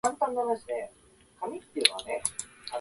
ドームの中心にいくとき、先頭を歩いていた隊員だった